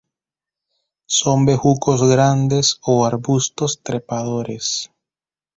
Son bejucos grandes o arbustos trepadores.